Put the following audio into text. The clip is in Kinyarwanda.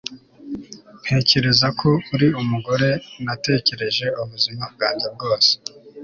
Ntekereza ko uri umugore nategereje ubuzima bwanjye bwose